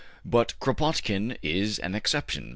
But Kropotkin is an exception.